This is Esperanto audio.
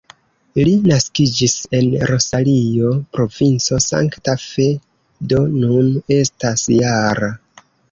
Li naskiĝis en Rosario, provinco Santa Fe, do nun estas -jara.